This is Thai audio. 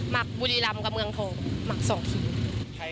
มักบุรีรัมพ์กับเมืองโทกมักส่งที